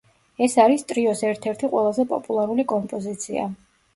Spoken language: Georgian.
ეს არის ტრიოს ერთ-ერთი ყველაზე პოპულარული კომპოზიცია.